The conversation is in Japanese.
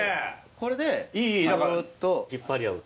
これでグっと引っ張り合う。